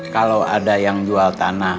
kalau ada yang jual tanah